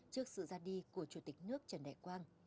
trước sự ra đi của chủ tịch nước trần đại quang